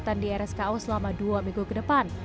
dia akan menjalani perawatan di rsko selama dua minggu ke depan